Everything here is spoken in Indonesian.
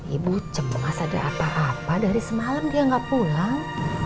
ibu cemas ada apa apa dari semalam dia nggak pulang